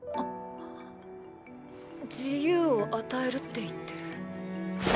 自由を与えるって言ってる。